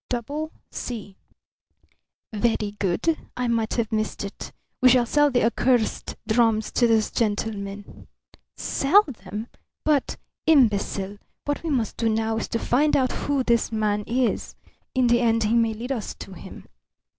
Double C. "Very good. I might have missed it. We shall sell the accursed drums to this gentleman." "Sell them? But " "Imbecile! What we must do is to find out who this man is. In the end he may lead us to him."